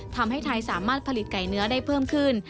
ทำให้ไทยสามารถผลิตไก่เนื้อได้เพิ่มขึ้น